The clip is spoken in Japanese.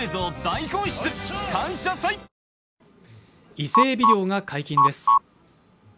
伊勢えび漁が解禁です。